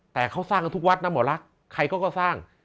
แต่เขาสร้างกันทุกวัดนะหมอลักษณ์ใครก็สร้าง